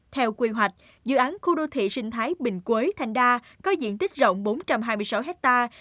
theo quy hoạch dự án khu đô thị sinh thái bình quế thanh đa có diện tích rộng bốn trăm hai mươi sáu hectare